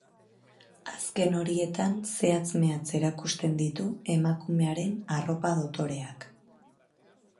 Azken horietan zehatz-mehatz erakusten ditu emakumearen arropa dotoreak.